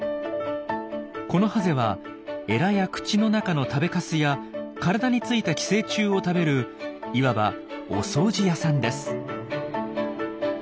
このハゼはエラや口の中の食べかすや体についた寄生虫を食べるいわば「お掃除屋さん」です。